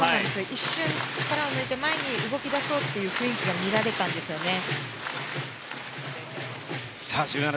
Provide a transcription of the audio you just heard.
一瞬力を抜いて前に動き出そうという雰囲気が見られたんですよね。